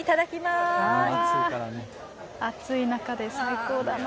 暑い中で最高だな。